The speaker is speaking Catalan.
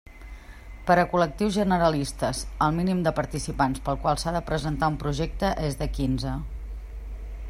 Per a col·lectius generalistes: el mínim de participants pel qual s'ha de presentar un projecte és de quinze.